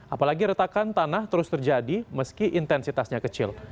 apalagi retakan tanah terus terjadi meski intensitasnya kecil